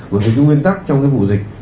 bởi vì cái nguyên tắc trong cái vụ dịch